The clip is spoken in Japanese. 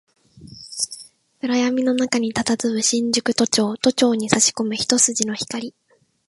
暗闇の中に佇む新宿都庁、都庁に差し込む一筋の光